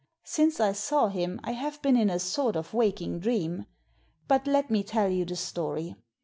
Since I saw him I have been in a sort of waking dream. But let me tell you the story.